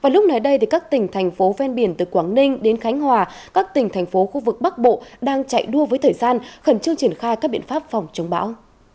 lúc này đây các tỉnh thành phố ven biển từ quảng ninh đến khánh hòa các tỉnh thành phố khu vực bắc bộ đang chạy đua với thời gian khẩn trương triển khai các biện pháp phòng chống bão